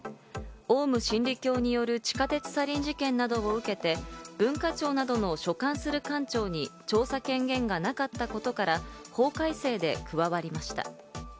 オウム真理教による地下鉄サリン事件などを受けて、文化庁などの所管する官庁に調査権限がなかったことから、法改正で加わりました。